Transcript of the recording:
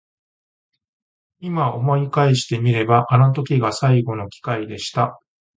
今思い返してみればあの時が最後の機会でした。